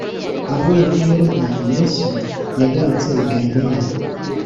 Avuye kuri Yorodani, Yesu yagarutse i Galileya.